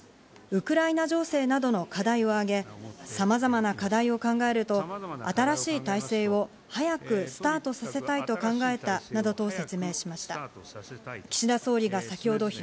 ウクライナ情勢などの課題を挙げ、さまざまな課題を考えると、新しい体制を早くスタートさせたいと考えたなどと説明しました。